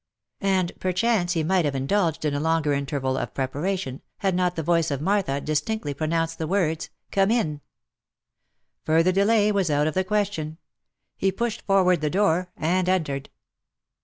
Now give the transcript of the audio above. And perchance he might have indulged in a longer interval of preparation, had not the voice of Martha dis tinctly pronounced the words " Come in !" Further delay was out of the question ; he pushed forward the door, and entered.